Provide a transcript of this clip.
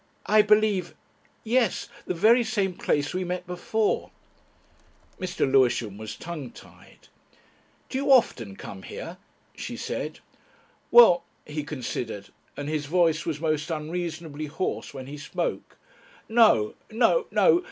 I believe ... Yes. The very same place we met before." Mr. Lewisham was tongue tied. "Do you often come here?" she said. "Well," he considered and his voice was most unreasonably hoarse when he spoke "no. No....